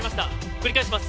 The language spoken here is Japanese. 繰り返します